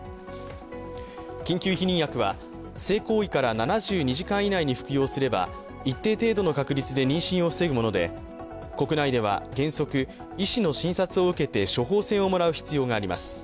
緊急避妊薬は性行為から７２時間以内に服用すれば一定程度の確率で妊娠を防ぐもので国内では原則、医師の診察を受けて処方箋をもらう必要があります。